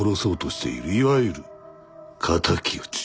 いわゆる敵討ち。